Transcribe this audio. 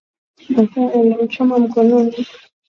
Makaa yalimchoma mkononi